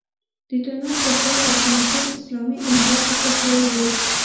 د تونل پر خوله افغانستان اسلامي امارت ليکل شوی و.